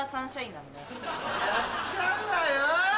やっちゃうわよ。